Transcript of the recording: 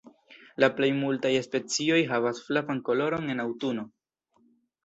La plej multaj specioj havas flavan koloron en aŭtuno.